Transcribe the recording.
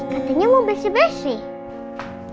katanya mau bersih bersih